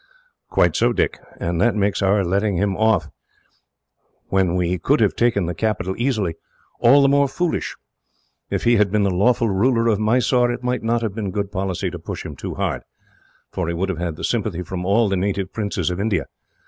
"Quite so, Dick, and that makes our letting him off, when we could have taken the capital easily, all the more foolish. If he had been the lawful ruler of Mysore, it might not have been good policy to push him too hard, for he would have had sympathy from all the native princes of India.